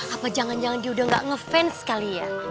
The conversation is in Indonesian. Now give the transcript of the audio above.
apa jangan jangan dia udah gak ngefans kali ya